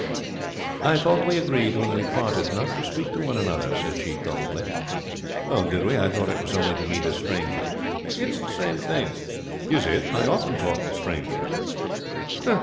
'I thought we agreed when we parted not to speak to one another,' said she, coldly. 'Did we? I thought it was only to meet as strangers.' 'It's the same thing.' 'Is it? I often talk to strangers.'